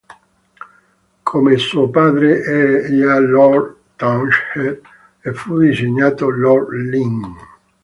Come suo padre era già Lord Townshend e fu designato Lord Lynn.